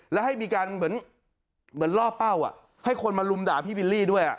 แล้วให้มีการเหมือนล่อเป้าให้คนมาลุมด่าพี่บิลลี่ด้วย